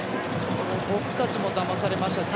僕たちもだまされましたし。